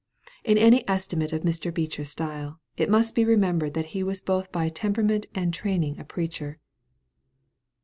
In any estimate of Mr. Beecher's style, it must be remembered that he was both by temperament and training a preacher.